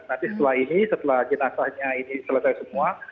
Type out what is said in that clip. nanti setelah ini setelah jenazahnya ini selesai semua